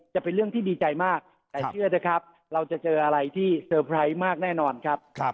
จะเป็นเรื่องที่ดีใจมากแต่เชื่อเถอะครับเราจะเจออะไรที่เตอร์ไพรส์มากแน่นอนครับ